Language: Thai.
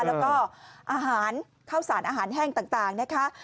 แล้วก็อาหารข้าวสารอาหารแห้งต่างนะคะ